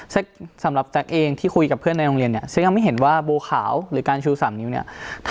สำหรับแจ๊กเองที่คุยกับเพื่อนในโรงเรียนเนี่ยซึ่งยังไม่เห็นว่าโบขาวหรือการชู๓นิ้วเนี่ย